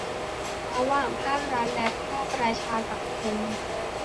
ระหว่างภาครัฐและภาคประชาสังคม